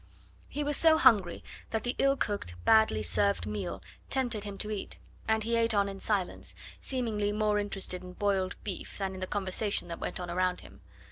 He was so hungry that the ill cooked, badly served meal tempted him to eat; and he ate on in silence, seemingly more interested in boiled beef than in the conversation that went on around him.